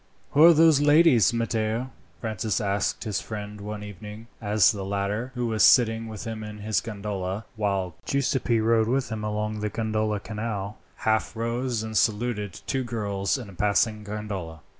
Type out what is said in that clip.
"Who are those ladies, Matteo?" Francis asked his friend one evening, as the latter, who was sitting with him in his gondola, while Giuseppi rowed them along the Grand Canal, half rose and saluted two girls in a passing gondola.